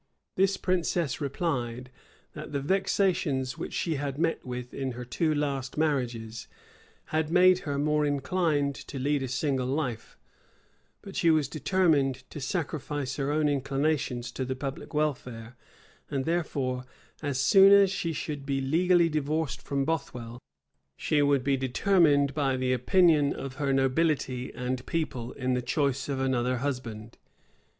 This princess replied, that the vexations which she had met with in her two last marriages, had made her more inclined to lead a single life; but she was determined to sacrifice her own inclinations to the public welfare: and therefore, as soon as she should be legally divorced from Bothwell, she would be determined by the opinion of her nobility and people in the choice of another husband.